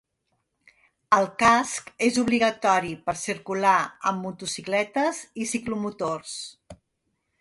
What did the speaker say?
El casc és obligatori per circular amb motocicletes i ciclomotors.